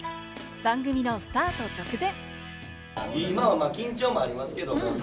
番組のスタート直前。